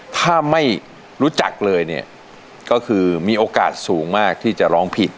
ถ้าไม่รู้จักเลยเนี่ยก็คือมีโอกาสสูงมากที่จะร้องผิด